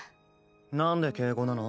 なんで敬語なの？